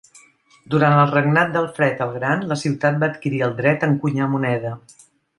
Durant el regnat d'Alfred el Gran la ciutat va adquirir el dret a encunyar moneda.